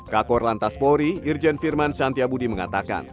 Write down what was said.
kakor lantas pori irjen firman shantyabudi mengatakan